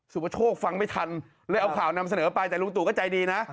ประโชคฟังไม่ทันเลยเอาข่าวนำเสนอไปแต่ลุงตู่ก็ใจดีนะ